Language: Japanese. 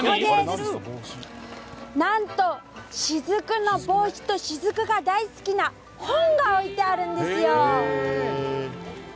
なんと、雫の帽子と雫が大好きな本が置いてあるんですよ！